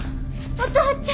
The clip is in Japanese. お父ちゃん！